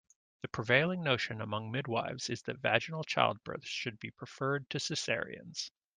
The prevailing notion among midwifes is that vaginal childbirths should be preferred to cesareans.